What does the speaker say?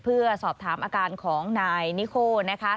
เพื่อสอบถามอาการของนายนิโคนะคะ